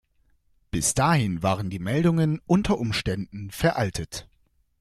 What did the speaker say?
Bis dahin waren die Meldungen unter Umständen veraltet.